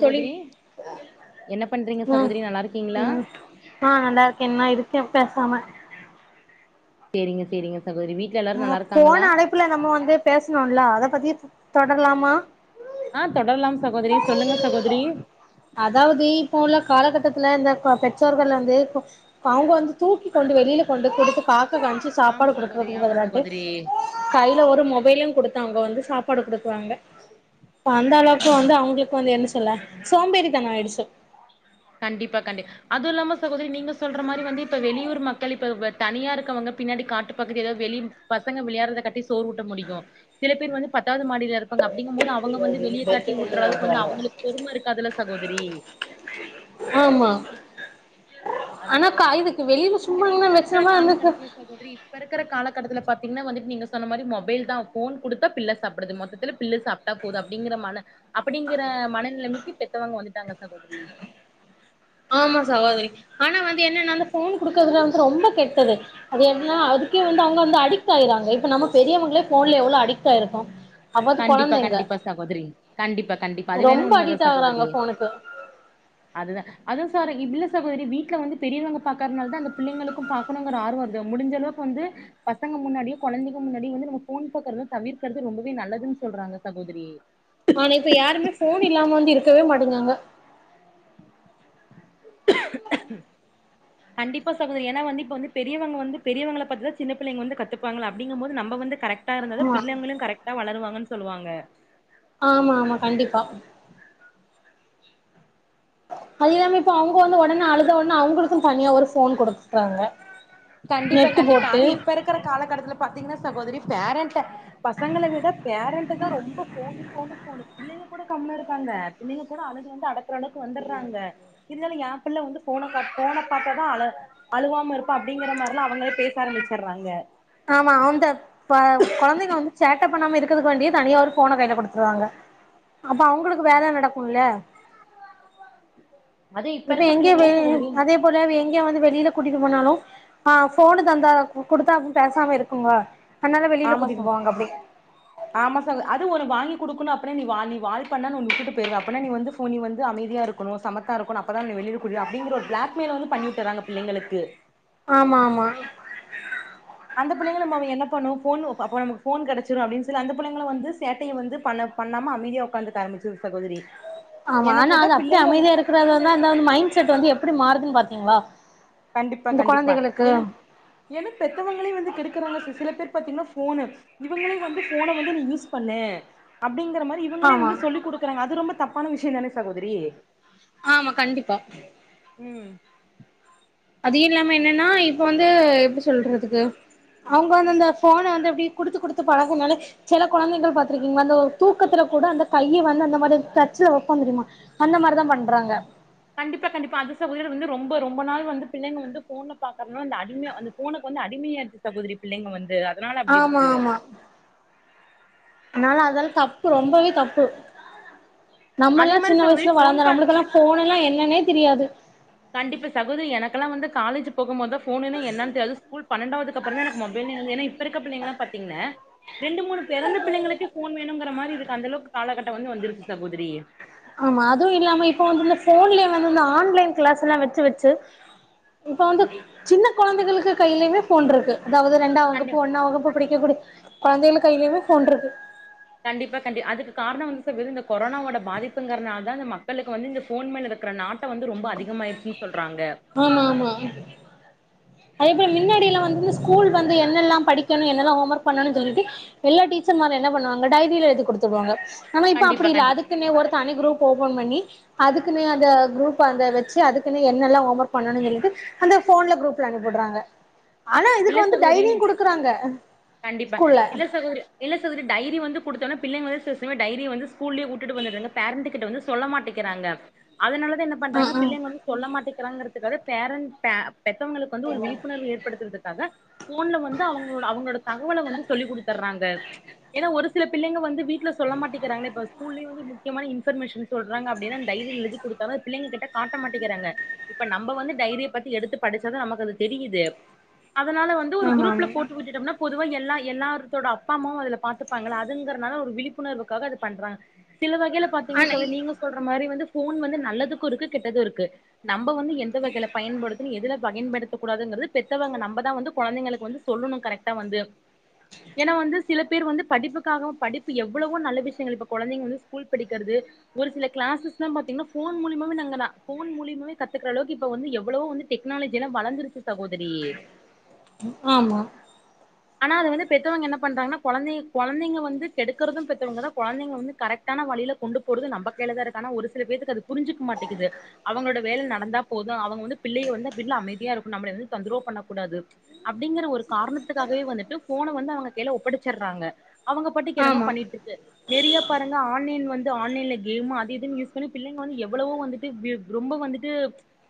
தோழி என்ன பண்றீங்க அ சகோதரி நல்லா இருக்கீங்களா அ ஆ நல்லா இருக்கே நா இருக்கே பேசாம சேரிங்க சேரிங்க சகோதரி வீட் அ போன அழைப்புல நம்ம வந்து பேசனோல அத பத்தியே தொடர்லாமா அ தொடர்லாம் சகோதிரி சொல்லுங்க சகோதிரி அதாவது இப்போ உள்ள காலகட்டத்துல இந்த ப பெற்றோர்கள் வந்து அவ்ங்க வந்து தூக்கி கொண்டு வெளில கொண்டு குடுத்து காக்க காம்ச்சு ஆமா சாப்பாடு சகோதரி குடுக்குறதுக்கு ஆமா பதலாட்டு சகோதரி கைல ஒரு மொபைலயு குடுத்து அவ்ங்க வந்து சாப்பாடு குடுக்குவாங்க அந்த அளவுக்கு வந்து அவ்ங்களுக்கு வந்து என்ன சொல்ல சோம்பேறி தனொ ஆய்டுச்சு கண்டிப்பா கண்டி அதுவு இல்லாம சகோதரி நீங்க சொல்ற மாரி வந்து இப்ப வெளியூர் மக்கள் இப்ப தனியா இருக்கவங்க பின்னாடி காட்டு பகுதி ஏதாவது வெளி பசங்க விளையாறத காட்டி சோர் ஊட்ட முடியு சில பேர் வந்து பத்தாவது மாடில இரு பாங்க அப்டிங்கு போது அவங்க வந்து வெளிய காட்டி ஊட்ற அளவுக்கு வந்து அவங்களுக்கு பொறும இருக்காதுல்ல சகோதிரி ஆமா ஆனா அதுதா காய் சகோதரி வித்து வெளில சும்மாங்கன்னா வச்சமா [unintelligible] சகோதிரி இப்ப இருக்கற காலகட்டத்துல பாத்தீங்கன்னா வந்துட்டு நீங்க சொன்ன மாரி மொபைல் தா ஃபோன் குடுத்தா பிள்ள சாப்டுது மொத்தத்துல பிள்ள சாப் ட்டா போது அப்டிங்கிற மன அப்டிங்கிற மனநிலைமைக்கு பெத்தவங்க வந்துட்டாங்க சகோதிரி ஆமா சகோதரி ஆனா வந்து என்னன்னா அந்த ஃபோன் குடுக்குறதுல வந்து ரொம்ப கெட்டது அது என்னனா அதுக்கே வந்து அவுங்க வந்து அடிக்ட் ஆய்றாங்க இப்ப நம்ம பெரியவங்களே ஃபோன்ல எவ்ளோ அடிக்ட் ஆய்ருக்கோ கண்டிப்பா கண்டிப்பா சகோதரி கண்டிப்பா கண்டிப்பா அது வேணு ரொம்ப உண்மதா அடிக்ட் ஆகுறாங்க சகோதரி ஃபோனுக்கு அதுதா அது சார் இல்ல சகோதரி வீட்ல வந்து பெரியவங்க பாக்கறனால தா அந்த பிள்ளைகளுக்கு பா பாக்கனுங்கற ஆர்வோ வருது முடுஞ்ச அளவுக்கு வந்து பசங்க முன்னாடியு கொழந்தைங்க முன்னாடியு வந்து நம்ம ஃபோன் பாக்கறத தவிர்கறது ரொம்பவே நல்லது துன் சொல்றாங்க சகோதிரி ஆனா இப்ப யாருமே ஃபோன் இல்லாம வந்து இருக்கவே மாட்டேங்குறாங்க கண்டிப்பா சகோதரி ஏனா வந்து இப்ப வந்து பெரியவங்க வந்து பெரியவங்கள பாத்துதா சின்ன பிள்ளைங்க வந்து கத்துப்பாங்கள அப்டிங்கும் போது நம்ப வந்து கரெக்ட் டா இருந்தாதா ஆமா பிள்ளைங்களு கரெக்டா வளருவாங்கன் சொல்லுவாங்க ஆமா ஆமா கண்டிப்பா அது இல்லாம இப்போ அவ்ங்க வந்து ஒடனே அழுத ஒட்ன அவ்ங்களுக்கு தனியா ஒரு ஃபோன் குடுக்றாங்க கண்டிப்பா கண்டிப்பா அது இப்ப இருக்கிற காலகட்டத்துல பாத்தீங்கனா சகோதரி பேரண்ட்ட பசங்கள விட பேரண்டு தா ரொம்ப ஃபோனு ஃபோனு ஃபோனு பிள்ளைங்க கூட கம்முனு இருக்காங்க பிள்ளைங்க கூட அழுது வந்து அடக்குற அளவுக்கு வந்துர்றாங்க இருந்தாலு ஏ பிள்ள வந்து ஃபோன பாத் ஃபோன பாத்தா தா அழ அழுகாம இருப்பா அப் அப்டிங்கிற மாரிலா அவங்களே பேச ஆரம்மிச்சிர்றாங்க ஆமா அந்த ப கொழந்தைங்க வந்து சேட்ட பண்ணாம இருக்கதுகாண்டியே தனியா ஒரு ஃபோன கைல குடுத்துருவாங்க அப்ப அவ்ங்களுக்கு வேல நடக்குல்ல அது இப்ப இருக்க பிள்ளைங்களா சகோதரி இப்போலாவ் எங்கெ வந்து வெளில கூட்டிட்டு போனாலு ஆ ஃபோனு தந்தா குடுத்தா தா பேசாம இருக்குங்க அதனால வெளியில ஆமா கூட்டிட்டு சக் போவாங்க அப்டி ஆமா சகோ அது ஒனக் வாங்கி குடுக்கணு அப்பனா நீ வா நீ வால் பண்ணா நா உன்ன உட்டுட்டு போய்ருவ அப்பனா நீ வந்து ஃபோன் நீ வந்து அமைதியா இருக் க்கனு சமத்தா இருக்கனு அப்பதா நீ வெளில கூட்டி அப்டிங்கிற ஒரு ப்ளாக் மெய்ல வந்து பண்ணி வுட்டுர்றாங்க பிள்ளைங்களுக்கு ஆமாம்மா அந்த புள்ளைங்களு பாவ என்ன பண்ணு ஃபோன் அப்ப நமக்கு ஃபோன் கெடச்சுரு அப்டின் சொல்லி அந்த புள்ளைங்களு வந்து சேட்டையு வந்து பண்ண பண்ணாம அமைதியா ஒக்காந்துக்க ஆரம்மிச்சிரு சகோதரி ஆமா என்ன ஆனா கேட்டா அது அப்டி பிள்ளைங்க வ- அமைதியா இருக்கறதுனா வந்து அந்த மைண்ட் செட் வந்து எப்டி மாறுதுன் பாத்தீங்ளா கண்டிப்பா கண்டிப்பா இல்லைனா ஏனா பெத்தவங்களே வந்து கெடுக்குறாங்க சிஸ் சில பேர் பாத்தீங்னா ஃபோனு இவங்களே வந்து ஃபோன வந்து நீ யூஸ் பண்ணு அப்டிங்கற மாரி இவங்களே ஆமா வந்து சொல்லி குடு க்குறாங்க அது ரொம்ப தப்பான விஷ்யந்தானே சகோதரி ஆமா கண்டிப்பா ம் அதையு இல்லாம என்னன்னா இப்ப வந்து எப்டி சொல்றதுக்கு அவ்ங்க வந்து அந்த ஃபோன வந்து அப்டி குடுத்து குடுத்து பழகனாலே செல கொழந்தைகள் பாத்துருக்கீங்ளா அந்த தூக்கத்துல கூட அந்த கைய வந்து அந்த மாரி தச்சுல வப்பாங்க தெரிமா அந்த மாரிதா பண்றாங்க கண்டிப்பா கண்டிப்பா அது சகோதரி வந்து ரொம்ப ரொம்ப நாள் வந்து பிள்ளைங்க வந்து ஃபோன பாக்குறனா இந்த அடிமையா வந்து ஃபோனுக்கு வந்து அடிமையாயிருச்சு சகோதரி பிள்ளைங்க வந்து அதனால அப்டி ஆமா இருக்கு ஆமா அதனால அதால தப்பு ரொம்பவே தப்பு அதே நம்மெல்லா மாரி சின்ன சகோதரி வயசுல போன் வளந்தோ பா நம்மளுக்கெல்லா ஃபோனெல்லா என்னன்னே தெரியாது கண்டிப்பா சகோதரி எனக்கெல்லா வந்து காலேஜு போகும் போதா ஃபோனுனா என்னன் தெரியு அது ஸ்கூல் பன்னெண்டாவ்துக்கு அப்றந்தா எனக்கு மொபைல்னா என்ன ஏனா இப்ப இருக்க பிள்ளைங்களா பாத்தீங்ன ரெண்டு மூணு பெறந்த பிள்ளைங்களுக்கே ஃபோன் வேணுங்கிற மாரி இருக்கு அந்த அளவுக்கு காலகட்ட வந்து வந்துருச்சு சகோதரி ஆமா அதுவு இல்லாம இப்ப வந்து இந்த ஃபோன்லே வந்து இந்த ஆன்லைன் க்ளாஸுலா வெச்சு வெச்சு இப்ப வந்து சின்ன கொழந்தைகளுக்கு கைலங்க ஃபோன் இருக்கு அதாவ்து ரெண்டா கண்டி வகுப்பு ஒன்னா வகுப்பு படிக்க கூடிய கொழந்தைகள் கைலயுமே ஃபோன் இருக்கு கண்டிப்பா கண்டி அதுக்கு காரணோ வந்து ஸ் இந்த கொரோனாவோட பாதிப்புங்கறதுனால இந்த மக் மக்களுக்கு வந்து இந்த ஃபோன் மேல இருக்கற நாட்டோ வந்து ரொம்ப அதிகமாயிருச்சன்னு சொல்றாங்க அ ஆமா அதாவது மின்னடிலா வந்து ஸ்கூல் வந்து என்னல்லாம் படிக்கணு என்னல்லாம் ஹோமோர்க் பண்ணணுன் சொல்லிட்டு எல்லா டீச்சர் மாரு என்ன பண்ணுவாங்க டைரில எழுதி குடுத்துடுவாங்க ஆனா இப்ப கண்டிப்பா அப்டி இல்ல அது கண்டிப்பா க்குனே ஒரு தனி க்ரூப் ஓபன் பண்ணி அதுக்குனு அந்த குரூப் அந்த வச்சு அதுக்குன்னே என்னெல்லா ஹோமோர்க் பண்ணுன் சொல்ட்டு அந்த ஃபோன்ல குரூப் ல அனிப்புடுறாங்க ஆனா இதுக்கு இல்ல வந்து சகோதரி டைரியு குடுக்குறாங்க கண்டிப்பா ஸ்கூல்ல இல்ல சகோதரி இல்ல சகோதரி டைரி வந்து குடுத்தோன்னே பிள்ளைங்க வந்து சில டையம் டைரிய வந்து ஸ்கூல்யே உட்டுட்டு வந்தர்றாங்க பேரண்ட் கிட்ட வந்து சொல்ல மாட்டேக்கிறாங்க அதனாலதா என்ன ஆ பண்றாங்க ஆ பிள்ளைங்க வந்து சொல்ல மாட்டேங் கெறாங்கரத்துக்காக பேரண்ட் பெத்தவங்களுக்கு வந்து ஒரு விழிப்புணர்வு ஏற்படுத்துறதக் துக்காக ஃபோன்ல வந்து அவங்களோ அவங்களோட தகவல வந்து சொல்லி் குடுத்துறாங்க ஏனா ஒரு சில பிள்ளங்க வந்து வீட்ல சொல்ல மாட்டேங்கிறாங்களே இப்ப ஸ்கூல்லயு வந்து முக்கியமான இன்பர்மேஷன் சொல்றாங்க அப்டின்னா டைரியில எழுதி குடுத்தாலு அது பிள்ளைங்க கிட்ட காட்டமட்டேங்கிறாங்க இப்ப நம்ம வந்து டைரிய பத்தி எடுத்து படிச்சதா நமக்கு அது தெரியுது அதனால வந்து ஒரு ஆமா குரூப்ல போட்டு விட்டுட்டோம்னா பொதுவா எல்லா எல்லாத்தோட அப்பா அம்மாவு அதுல பாத்துப்பாங்க அதுங்கறனால ஒரு விழிப்புணர்வுக்காக அது பண்றாங் சில வகையில ஆமா பாத்தீங்கனா ஆனா சொழி நீங்க சொல்ற மாரி வந்து ஃபோன் வந்து நல்லதுக்கு இருக்கு கெட்டது இருக்கு நம்ம வந்து எந்த வகையில பயன்படுத்துன்னு எதுல பயன்படுத்த கூடாதுங்கறது பெத்தவங்க நம்ப தா வந்து கொழந்தைங்களுக்கு வந்து சொல்லணு கரெக்டா வந்து ஏனா வந்து சில பேர் வந்து படிப்புக்காக படிப்பு எவ்ளவோ நல்ல விஷயங்கள் இப்ப கொழந்தைங்க வந்து ஸ்கூல் படிக்கறது ஒரு சில கிளாஸ்ல்லா பாத்தீங்கனா ஃபோன் மூலியம்மாவே நாங்க நா ஃபோன் மூலியம்மாவே கத்துக்கறளவுக்கு இப்ப வந்து எவ்ளவோ வந்து டெக்னாலஜில்லா வளந்துருக்கு சகோதிரி ஆமா ஆனா அது வந்து பெத்தவங்க என்ன பண்றாங்கன்னா கொழந்தை கொழந்தைங்கள வந்து கெடுக்கறது பெத்தவங்கதா கொழந்தைங்க வந்து கரெக் டான வழியில கொண்டு போறது நம்ம கையிலதா இருக்கு அனா ஒரு சில பேத்துக்கு அத புரிஞ்சிக்க மாட்டேங்கிது அவங்களோட வேல நடந்தா போது அவங்க வந்து பிள்ளைக வந்து வீட்ல அமைதியா இருக்கு நம்ள எதுவு தொந்தரவு பண்ண கூடாது அப்டிங்கற ஒரு காரணத்துக்காகவே வந்துட்டு ஃபோன வந்து அவங்க கைல ஒப்படைச்சடறாங்க அவங்க பாட்டுக்கு என்னமோ ஆமா பண்ணிட்டுருக்கு நெறையா பாருங்க ஆன்லைன் வந்து ஆன்லைன்ல கேம் அது இதுன்னு யூஸ் பண்ணி பிள்ளைங்க வந்து எவ்ளவோ வந்து [unintelligible] ரொம்ப வந்துட்டு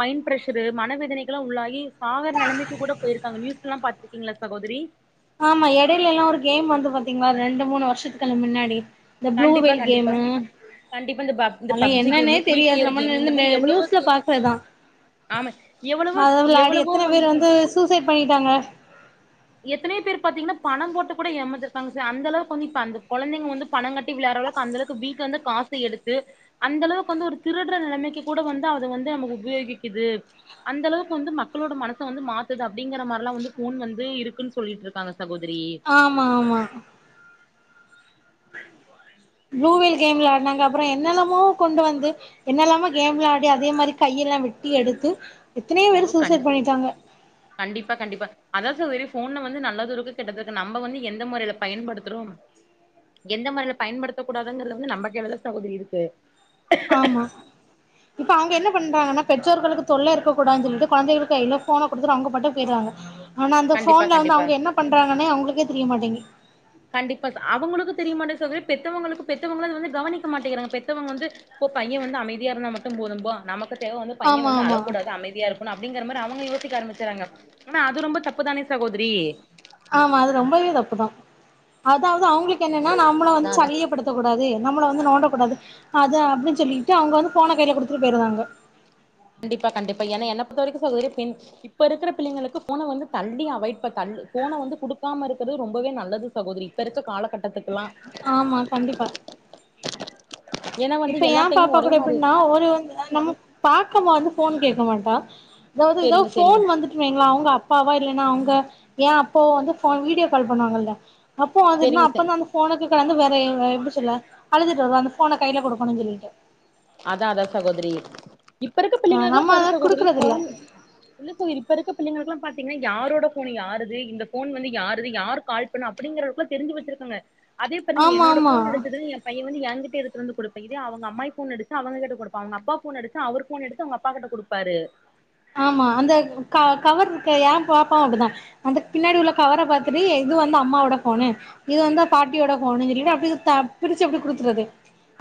மைண்ட் பிரஷரு மன வேதனைகள்லா உள்ளாகி சாகர நெலமைக் கிகூட போயிருக்காங்க நியூஸல்லா பாத்துருக்கீங்களா சகோதரி ஆமா எடையிலல்லா ஒரு கேம் வந்து பாத்தீங்களா ரெண்டு மூணு வருஷத்துக்குள்ள மின்னாடி இந்த கண்டிப்பா ப்ளூவேல் கண்டிப்பா கேமு கண்டிப்பா இந்த பப் இந்த அதெல்லா பப்ஜி என்னன்னே கேமு ஃப்ரீ தெரியாது ஃபயர் நம்ம கேமு இந்த மாரி [unintelligible] எவ்வளவோ நியூஸ்ல கேம் பாக்கறதா ஆமா எவ்வளவோ அது வெள்ளாடி எவ்வளவோ எத்தன பேர் வந்து சூசைட் பண்ணிட்டாங்க எத்தனையோ பேர் பாத்தீங்கன்னா பணம் போட்ட கூட எமாந்துருக்காங்க சிஸ் அந்தளவுக்கு வந்து அந்த கொழந்தைங்க வந்து பணோங்கட்டி வெளையால்டறளவுக்கு அந்த அளவுக் க்கு வீட்ல வந்து காச எடுத்து அந்தளவுக்கு வந்து ஒரு திருடுற நெலமைக்கி கூட வந்து அத வந்து நமக்கு உபயோகிக்கிது அந்தளவுக்கு வந்து மக்களோட மனச வந்து மாத்துத்து அப்டிங்கற மாரிலா வந்து ஃபோன் வந்து குன்னு சொல்லிட்டு இருக்காங்க சகோதரி ஆமா ஆமா ப்ளூவேல் கேம் வெள்ளாடுனாங்க அப்புறோ என்னென்னமோ கொண்டு வந்து என்னல்லாமோ கேம்லா ஆடி அதே மாரி கையெல்லா வெட்டி எடுத்து எத்தனையோ ஐயோ பேரு கண் சூசைட் பண்ணிட்டாங்க கண்டிப்பா கண்டிப்பா அதா சார் வெரி ஃபோன்ல வந்து நல்லாதுருக்கு கெட்டது இருக்கு நம்ம வந்து எந்த முறைல பயன்படுத்துறோம் எந்த மாரில பயன்படுத்த கூடாதுங்கறது வந்து நம்ம கைலதா சகோதரி இருக்கு ஆமா இப்ப அவுங்க என்ன பண்றாங்கனா பெற்றோர்களுக்கு தொல்ல இருக்க கூடாதுன் சொல்ட்டு கொழந்தைளுக்கு கைல ஃபோன் குடுத்துட்டு அவுங்க பாட்டுக்கு போயிடுவாங்க ஆனா அந்த கண்டிப்பா ஃபோன்ல வந்து கண்டிப்பா அவுங்க என்ன பண்றாங்கனே அவுங்களுக்கெ தெரிய மாட்டேங்குது கண்டிப்பா அவங்களுக்கு தெரிய மாட்டது சகோதிரி பெத்தவங்களுக்கு பெத்தவங்கள அத வந்து கவனிக்க மாட்டேங்கிறாங்க பெத்தவங்க வந்து இப்ப பைய வந்து அமைதியா இருந்தா மட்டு போதும்ப நமக்கு தேவை வந்து பைய ஆமா வந்து ஆமா அழக்கூடாது அமைதியா இருக் போனு அப்டிங்கற மாரி அவங்க யோசிக்க ஆரம்பிச்சுறாங்க ஆனா அது ரொம்ப தப்புதானே சகோதரி ஆமா அது ரொம்பவே தப்புதா அதாவது அவங்களுக்கு என்னன்னா நாம்மள அதா வந்து அதா சலியப்படுத் த்தகூடாது நம்மள வந்து நோண்டக்கூடாது அத அப்டின் சொல்ட்டு அவுங்க வந்து ஃபோன கைல குடுத்துட்டு போயிருதாங்க கண்டிப்பா கண்டிப்பா ஏனா என்ன பொறுத்த வரைக்கு சகோதரி பெண் இப்ப இருக்கற பிள்ளைங்களுக்கு ஃபோன வந்து தள்ளி அவாய்ட் தள் ஃபோன வந்து குடுக்காம இருக்கறது ரொம்பவே நல்லது சகோதரி இப்ப இருக்கற காலகட்டத்துக்கெல்லா ஆமா கண்டிப்பா இப்ப ஏ பாப்பா ஒரே கூட மாரி எப்டின்னா ஒரு வந்து நம்ம பாக்கமா வந்து போன் கேக்க மாட்டா இதாவது இதா சேரிங்க ஃபோன் சேரிங்க வந்து இல்லைங்களா அவங்க அப்பாவா இல்லன்னா அவங்க ஏ அப்பாவோ வந்து போ வீடியோ கால் பண்ணுவாங்கல்ல அப்போ அது இன்னு சேரிங்க சே அப்பந்தா அந்த போனுக்கு கலந்து வேற எப்டி சொல்ல அழுதுட்டு வருவா அந்த போன கையில குடுக்கணு சொல்லிட்டு அதா அதா சகோதரி இப்ப இருக்க ஆஹ் பிள்ளைங்களுக்குல்லா நம்ம பாரு அத சகோதரி குடுக்கறது இல்ல போனு இல்ல சகோதரி இப்ப இருக்க பிள்ளைங்களுக்குல்லாம் பாத்தீங்கன்னா யாரோட போன் யாரு இந்த போன் வந்து யாரு யார் கால் இப்ப நா அப்படிங்கறக்குள்ள தெரிஞ்சு வச்சிருக்காங்க அதே பாருங்க ஆமா என்னோட ஆமா போன் எடுச்சது ஏ பைய வந்து என்கிட்ட எடுத்துட்டு வந்து குடுப்ப இதே அவங்க அம்மாய் போன் அடுச்ச அவங்க கிட்ட குடுப்பாங்க அவங்க அப்பா போன் எடுத்து அவரு போன் எடுத்து அவங்க அப்பா கிட்ட குடுப்பாரு ஆமா அந்த க கவர் இருக்கு ஏ பாப்ப அப்டிதா அந்த பின்னாடி உள்ள கவர பாத்துட்டு எ இது வந்து அம்மாவோட ஃபோனு இது வந்து பாட்டியோட ஃபோனுன் சொல்லிட்டு அப்டி தா பிரிச்சு அப்டி குடுத்துறது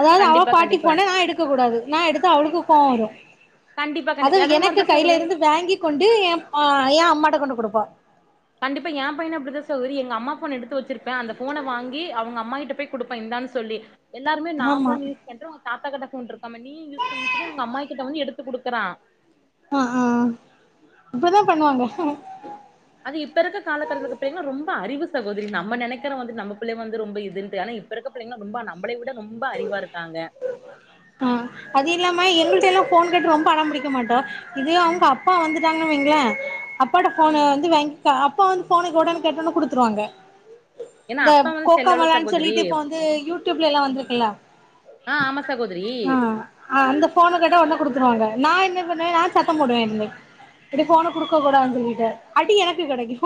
அதாவ்து அவ கண்டிப்பா பாட்டி கண்டிப்பா போன நா எடுக்க கூடாது நா எடுத்தா அவுளுக்கு கோவ்வரு கண்டிப்பா கண்டு எதே மாரிதா கைல சகோதரி இருந்து வாங்கி கொண்டு எ அ எ அம்மாட்ட கொண்டு குடுப்பா கண்டிப்பா எ பையனு அப்டிதா சகோதரி எங்கம்மா ஃபோன் எடுத்து வச்சிருப்ப அந்த ஃபோன வாங்கி அவுங்கம்மா கிட்ட போய் குடுப்பா இந்தான்னு சொல்லி எல்லாருமே நா ஆமா ஃபோன் யூஸ் பண்ற உ தாத்தாகிட்ட ஃபோன் இருக்காம நீயூ யூஸ் பண்ணுன் சொல்லி உங்கம்மாயிகிட்ட வந்து எடுத்து குடுக்கறா அ ஆ அப்டிதா பண்ணுவாங்க அது இப்ப இருக்க கால கட்டத்துல இருக்ற பிள்ளங்ளா ரொம்ப அறிவு சகோதரி நம்ம நெனைக்கறோ வந்து நம்ம பிள்ளைங்க வந்து ரொம்ப இதுன்ட்டு ஆனா இப்ப இருக்கப் புள்ளைங்னா ரொம்ப நம்பளை விட ரொம்ப அறிவா இருக்காங்க ஆ அது இல்லாம எங்கள்ட்டல்லா ஃபோன் கேட்டு ரொம்ப அடம்புடிக்க மாட்டா இதே அவுங்க அப்பா வந்துட்டாங்கன் வைங்களே அப்பாட்ட ஃபோன ம் வந்து வாங்க்பா அப்பா வந்து ஃபோனக்குடுனு கேட்டோனே குடுத்துருவாங்க ஏன்னா இந்த அப்பா வந்து செல்லோல கோக்கமலான் சகோதரி சொல்லீட்டு இப்ப வந்து யூடியூப்லெல்லா வந்துருக்குல்ல ஆ ஆமா சகோதரி ஆ அந்த ஃபோன கேட்டா ஒடனே குடுத்துருவாங்க நா என்ன பண்ணுவே நா சத்தம் போடுவே இருந்து இப்டி ஃபோன குடுக்க கூடாதுன் சொல்லீட்டு அடி எனக்கு கெடைக்கு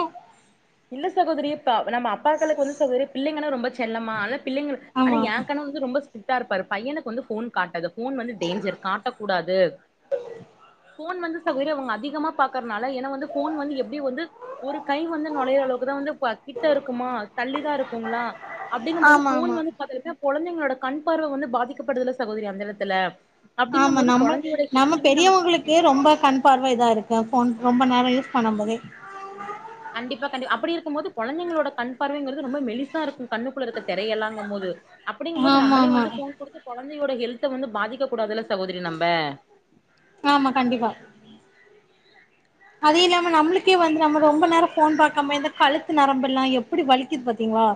இல்ல சகோதரி இப்ப நம்ம அப்பாக்களுக்கு வந்து சகோதரி பிள்ளைங்கனா ரொம்ப செல்லமா அதா பிள்ளைங்கள் ஆனா ஆமா ஏ கணவ ரு ரொம்ப ஸ்டிரிட்டா இருப்பாரு பையனுக்கு வந்து ஃபோன் காட்டாத ஃபோன் வந்து டேஞ்சர் காட்டக்கூடாது ஃபோன் வந்து சகோதரி அவுங்க அதிகமா பாக்கர்னால ஏனா வந்து ஃபோன் வந்து எப்டி வந்து ஒரு கை வந்து நொழையற அளவுக்குதா வந்து க்வா கிட்ட இருக்குமா தள்ளிதா இருக்குங்ளா அப்டிங்கும்போது ஆமா ஃபோன் ஆமா வந்து அது வந்து கொழந்தைங்ளோட கண்பார்வ வந்து பாதிக்கப்படுதுல சகோதரி அந்த எடத்துல ஆமா அப்டிங்கும் போது நம்ம கொழந்தையோட நம்ம ஹெல்த்துமே நமக்கு பெரியவுங்களுக்கே முக்கியோ ரொம்ப கண் பார்வ இதா இருக்கு ஃபோன் ரொம்ப நேரோ யூஸ் பண்ணம் போதே கண்டிப்பா கண்டி அப்டி இருக்கும் போது கொழந்தைங்களோட கண் பார்வைங்கறது ரொம்ப மெலிசா இருக்கூ கண்ணுக்குள்ள இருக்க தெரையெல்லாங்கும் போது அப்பிடிங்கும்போது ஆமா நம்மளே ஆமா வந்து ஃபோன் குடுத்து கொழந்தையோட ஹெல்த வந்து பாதிக்க கூடாதுல சகோதரி நம்ப ஆமா கண்டிப்பா அது இல்லாம நம்ளுக்கே வந்து நம்ம ரொம்ப நேரோ ஃபோன் பாக்கம்ப இந்த கழுத்து நரம்பெல்லா எப்புடி வலிக்குது பாத்தீங்ளா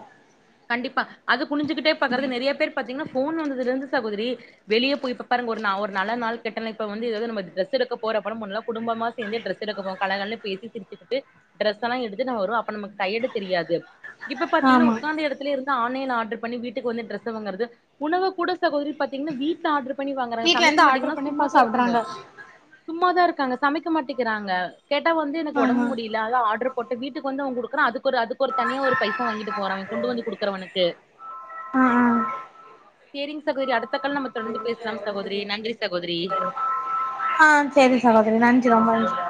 கண்டிப்பா அது குனுஞ்சுக்கிட்டே பாக்கறது நெறைய பேர் பாத்தீங்கன்னா ஃபோன் வந்ததுல இருந்து சகோதரி வெளிய போய் இப்பப்பாருங்க ஒரு நா ஒரு நல்லநாள் கெட்டனா இப்ப வந்து எதாது நம்ம டிரஸ் எடுக்க போறோ அப்பனா முன்னல்லா குடும்பமா சேந்து ட்ரஸ் டுப்போ கலகலனு பேசி சிரிச்சுகிட்டு டிரெஸ் எல்லா எடுத்துனு நம்ம வரு அப்ப நமக்கு டயர்டு தெரியாது இப்ப பாத்தீங்னா ஆமா உக்காந்த எடத்துல இருந்து ஆன்லைன் ஆர்டர் பண்ணி வீட்டுக்கு வந்து டிரெஸ வாங்கறது உணவு கூட சகோதரி பாத்தீங்னா வீட்ல ஆடர் பண்ணி வாங்கறாங்க வீட்ல சமக்க இருந்து ஆர்டர் மாட்டீங்கனா பண்ணி இப்ப சும்மாதா இருக்குங்க சாப்டுறாங்க சும்மாதா இருக்காங்க சமைக்க மாட்டீகங்கறாங்க கேட்டா வந்து எனக்கு ஒடம்பு ஆமா முடி இல்ல அதா ஆர்டர் போட்டு வீட்டுக்கு வந்து அவன் குடுக்கறான் அதுக்கு அதுக்கு ஒரு தனியா ஒரு பைசா வாங்கி கொண்டு வந்து குடுக்கறவனுக்கு ஆ ஆ சேரிங் சகோதரி அ த்த கால்ல நம்ம தொடர்ந்து பேசலாம் சகோதரி நன்றி சகோதரி ஆ சேரி சகோதரி நன்றி ரொம்ப நன்றி